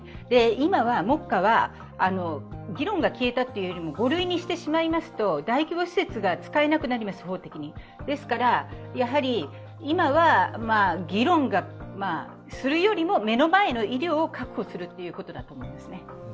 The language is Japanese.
今は目下は議論が消えたというよりも、５類にしてしまいますと大規模施設が使えなくなります、法的に、ですから今は議論するよりも目の前の医療を確保することだと思いますね。